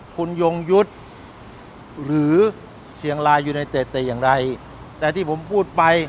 คุณยงยุทธ์หรือเชียงรายอยู่ในเต็ดแต่อย่างใดแต่ที่ผมพูดไป